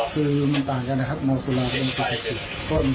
คือมันต่างกันนะครับเมาสุลาก็ก็เป็น